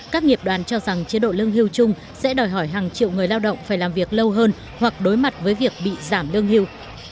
các nghiệp đoàn cho rằng chế độ lương hưu chung sẽ đòi hỏi hàng triệu người lao động phải làm việc lâu hơn hoặc đối mặt với việc bị giảm lương hưu